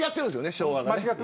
昭和がね。